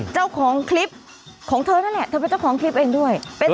เจ้าของคลิปของเธอนั่นแหละเธอเป็นเจ้าของคลิปเองด้วย